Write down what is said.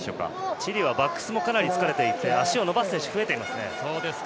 チリはバックスも疲れていて足を伸ばす選手、増えていますね。